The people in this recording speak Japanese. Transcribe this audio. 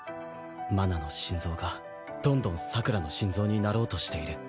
麻奈の心臓がどんどんさくらの心臓になろうとしている。